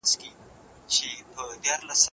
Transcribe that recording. سپین موټر دې تل زنده باد وي.